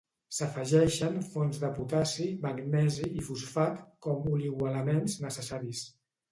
S'afegeixen fonts de potassi, magnesi i fosfat com oligoelements necessaris.